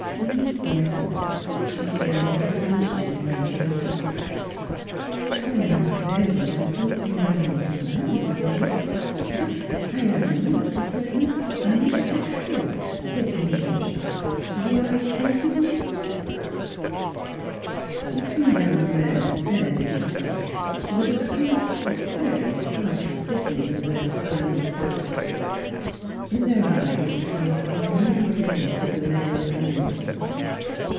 " Mistaire Hobb," she began, with a bewitch ing glance of entreaty, " I am very much 'ope you aire not mad wiz me. But I 'ave honeur to tell you Mis taire Sh sh wart z take me 'ome. ... You aire acquainted wiz heem, n'est ce pas?" The two young men stared at each other, with a slight a very slight stiffening of their spinal processes. In their eyes shone the primeval glint of the male animal.